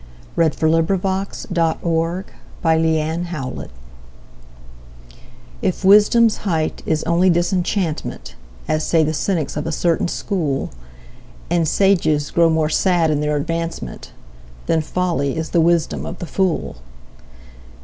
By CarolineDuer 1616 A Word to the Wise IF wisdom's height is only disenchantment, As say the cynics of a certain school, And sages grow more sad in their advancement, They folly is the wisdom of the fool.